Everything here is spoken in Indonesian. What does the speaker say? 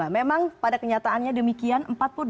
memang pada kenyataannya demikian empat puluh delapan empat